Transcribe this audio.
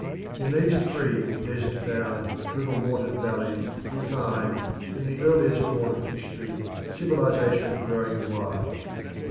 In these three desert bound, river watered valleys we find, in the earliest dawn of history, civilisation growing wild.